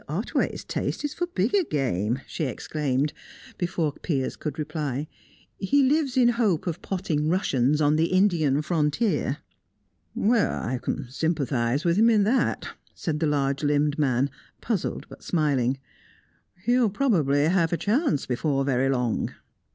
Otway's taste is for bigger game," she exclaimed, before Piers could reply. "He lives in hope of potting Russians on the Indian frontier." "Well, I can sympathise with him in that," said the large limbed man, puzzled but smiling. "He'll probably have a chance before very long."